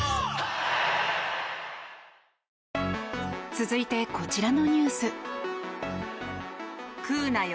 続いて、こちらのニュース。